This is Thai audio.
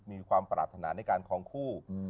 มีความปรารถนาในการคลองคู่